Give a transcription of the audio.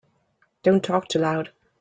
Don't talk too loud.